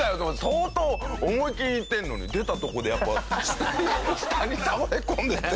相当思いっきりいってんのに出たとこでやっぱ下に倒れ込んでてこうやって。